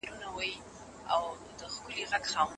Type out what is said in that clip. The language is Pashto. ماشوم د پلار په غېږ کې د درملو د پلاستیک غږ ته ځیر و.